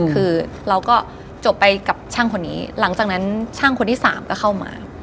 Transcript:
คือเราก็จบไปกับช่างคนนี้หลังจากนั้นช่างคนที่สามก็เข้ามา